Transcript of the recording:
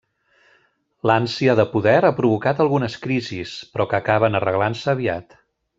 L'ànsia de poder ha provocat algunes crisis, però que acaben arreglant-se aviat.